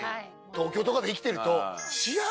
東京とかで生きてると。